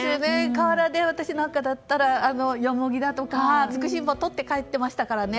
河原で、私なんかだったらヨモギだとか、ツクシンボを持って帰ってましたからね。